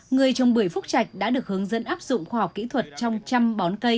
người trồng bưởi phúc trạch đã được hướng dẫn áp dụng khoa học kỹ thuật trong trăm bón cây